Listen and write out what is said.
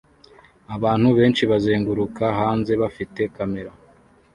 Abantu benshi bazenguruka hanze bafite camera